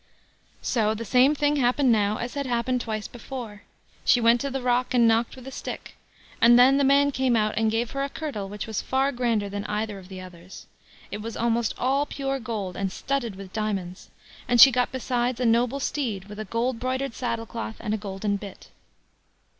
So the same thing happened now as had happened twice before. She went to the rock and knocked with the stick, and then the man came out and gave her a kirtle which was far grander than either of the others. It was almost all pure gold, and studded with diamonds; and she got besides a noble steed, with a gold broidered saddle cloth and a golden bit.